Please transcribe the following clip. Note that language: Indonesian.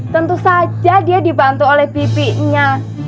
tentu saja dia dibantu oleh pipinya